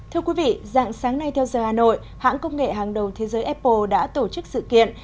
thưa quý vị dạng sáng nay theo giờ hà nội hãng công nghệ hàng đầu thế giới apple đã tổ chức sự kiện